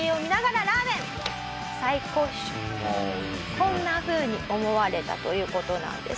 こんなふうに思われたという事なんです。